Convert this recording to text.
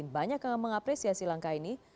banyak yang mengapresiasi langkah ini